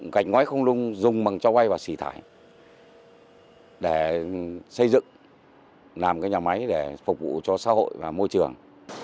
gạch ngoái không nung dùng bằng cho bay và xỉ thải để xây dựng làm cái nhà máy để phục vụ cho xã hội và môi trường